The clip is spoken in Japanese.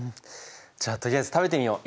じゃあとりあえず食べてみよう。